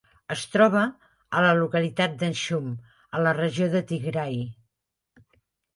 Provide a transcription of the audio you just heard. Es troba a la localitat d'Axum, a la regió Tigray.